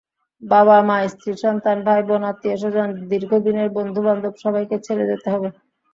বাবা-মা, স্ত্রী, সন্তান, ভাই-বোন, আত্মীয়স্বজন, দীর্ঘদিনের বন্ধুবান্ধব সবাইকে ছেড়ে যেতে হবে।